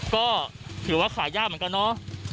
ก็ถือว่าขายยากเหมือนกันเนาะ